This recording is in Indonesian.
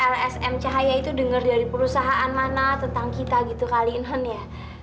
lsm cahaya itu denger dari perusahaan mana tentang kita gitu kali inon ya